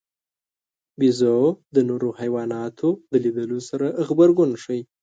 بیزو د نورو حیواناتو د لیدلو سره غبرګون ښيي.